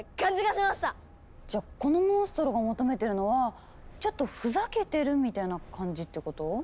じゃこのモンストロが求めてるのはちょっとふざけてるみたいな感じってこと？